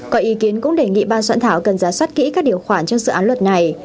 có ý kiến cũng đề nghị ban soạn thảo cần giá soát kỹ các điều khoản trong dự án luật này